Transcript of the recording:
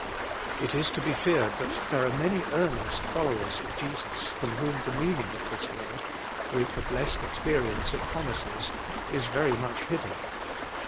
'* It is to be feared that there are many earnest fol lowers of Jesus from whom the meaning of this word, with the blessed experience it promises, is very much hidden.